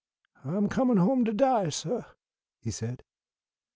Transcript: "I'm comin' home to die, suh," he said.